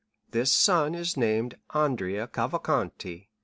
This son is named Andrea Cavalcanti.